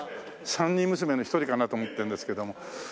三人娘の一人かなと思ってるんですけども。